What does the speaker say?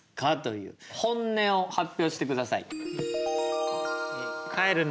本音を発表してください。